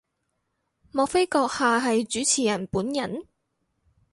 莫非閣下係主持人本人？